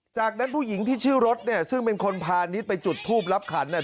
จากนั้นผู้หญิงที่ชื่อรถเนี่ยซึ่งเป็นคนพานิดไปจุดทูปรับขันเนี่ย